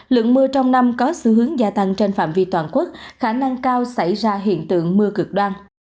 lượng mưa trong năm có xu hướng gia tăng trên phạm vi toàn quốc khả năng cao xảy ra hiện tượng mưa cực đoan